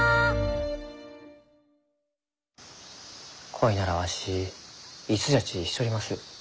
恋ならわしいつじゃちしちょります。